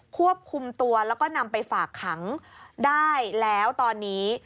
ควบคุมตัวแล้วก็นำไปฝากขังได้แล้วตอนนี้